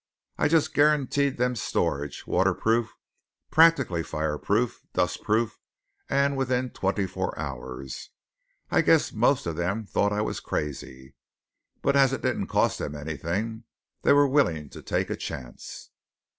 "I just guaranteed them storage, waterproof, practically fireproof, dustproof, and within twenty four hours. I guess most of them thought I was crazy. But as it didn't cost them anything, they were willing to take a chance."